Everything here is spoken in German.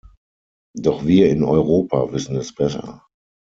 Doch wir in Europa wissen es besser.